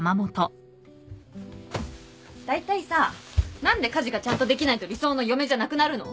だいたいさ何で家事がちゃんとできないと理想の嫁じゃなくなるの？